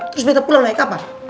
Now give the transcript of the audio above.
terus beta pulang naik kapan